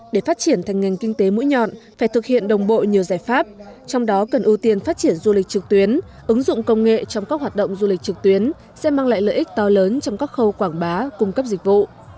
để phát triển thành ngành kinh tế mũi nhọn phải thực hiện đồng bộ nhiều giải pháp trong đó cần ưu tiên phát triển du lịch trực tuyến ứng dụng công nghệ trong các hoạt động du lịch trực tuyến sẽ mang lại lợi ích to lớn trong các khâu quảng bá cung cấp dịch vụ